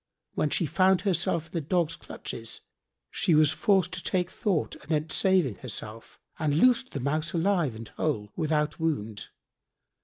When she found herself in the dog's clutches, she was forced to take thought anent saving herself and loosed the Mouse alive and whole without wound.